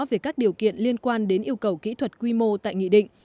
về các điều kiện liên quan đến yêu cầu kỹ thuật quy mô tại nghị định